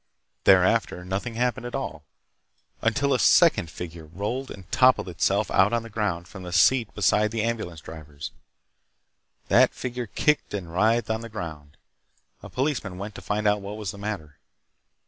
Thereafter nothing happened at all until a second figure rolled and toppled itself out on the ground from the seat beside the ambulance driver's. That figure kicked and writhed on the ground. A policeman went to find out what was the matter.